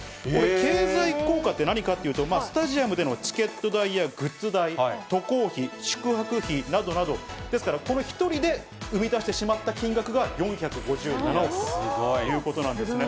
経済効果って何かというと、スタジアムでのチケット代やグッズ代、渡航費、宿泊費などなど、ですからこれを１人で生み出してしまった金額が４５７億ということなんですね。